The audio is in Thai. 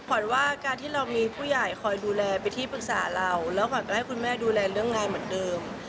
ขวัญว่าการที่เรามีผู้ใหญ่คอยดูแลเป็นที่ปรึกษาเราแล้วขวัญก็ให้คุณแม่ดูแลเรื่องงานเหมือนเดิม